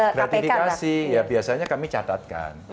gratifikasi ya biasanya kami catatkan